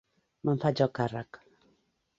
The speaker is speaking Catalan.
Me'n faig el càrrec.